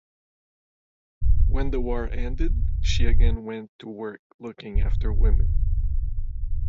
When the war ended she again went to work looking after women.